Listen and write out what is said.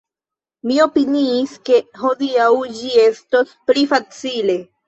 Mi opiniis, ke hodiaŭ ĝi estos pli facile!